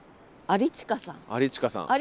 有近さん。